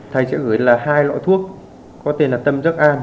thầy sẽ gửi là hai loại thuốc có tên là tâm giấc an